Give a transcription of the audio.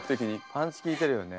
パンチ効いてるよね。